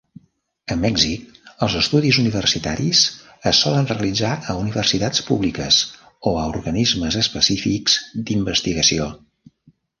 A Mèxic, els estudis universitaris es solen realitzar a universitats públiques o a organismes específics d"investigació.